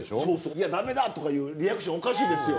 いや駄目だとかいうリアクションおかしいですよ。